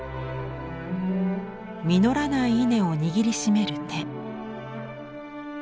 実らない稲を握りしめる手。